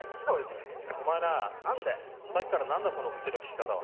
お前なさっきから何だその口の利き方は。